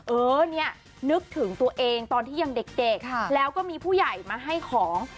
เออเนี่ยนึกถึงตัวเองตอนที่ยังเด็กแล้วก็มีผู้ใหญ่มาให้ของ